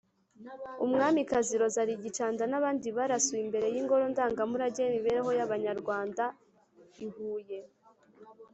Umwamikazi Rosalie Gicanda n’abandi barasiwe imbere y’Ingoro Ndangamurage y’Imibereho y’Abanyarwanda I Huye.